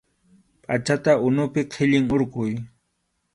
Pʼachata unupi qhillin hurquy.